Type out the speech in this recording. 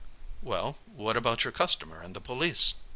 "Well, what about your customer and the police?"